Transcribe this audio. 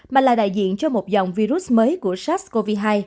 mà là đại diện cho một dòng virus mới của sars cov hai